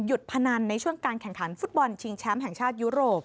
พนันในช่วงการแข่งขันฟุตบอลชิงแชมป์แห่งชาติยุโรป